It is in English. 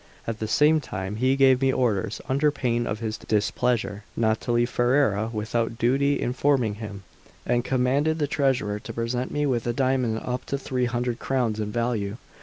At the same time he gave me orders, under pain of his displeasure, not to leave Ferrara without duly informing him; and commanded the treasurer to present me with a diamond up to three hundred crowns in value.